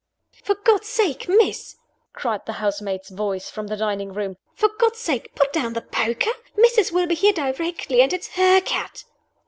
"For God's sake, Miss!" cried the housemaid's voice, from the dining room, "for God's sake, put down the poker! Missus will be here directly; and it's her cat!"